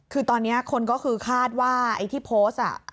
คือตอนนี้คนก็คือคาดว่าไอ้ที่โพสต์